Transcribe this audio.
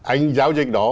anh giáo dịch đó